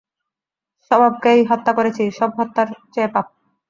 স্বভাবকেই হত্যা করেছি, সব হত্যার চেয়ে পাপ।